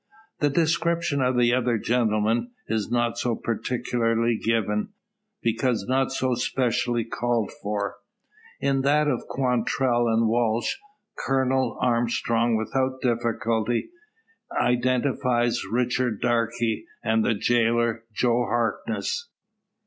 The description of the other "gentlemen" is not so particularly given, because not so specially called for. In that of Quantrell and Walsh, Colonel Armstrong, without difficulty, identifies Richard Darke and the jailer, Joe Harkness.